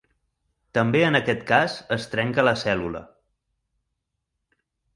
També en aquest cas es trenca la cèl·lula.